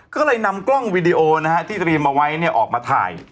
ก็เลยนำกล้องวีดีโอนะฮะที่เตรียมเอาไว้ออกมาถ่าย